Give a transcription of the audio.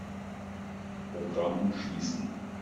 Programm schließen.